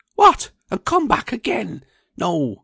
"What! and come back again! No!